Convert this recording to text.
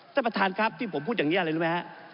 ท่านประธานครับที่ผมพูดอย่างนี้อะไรรู้ไหมฮะ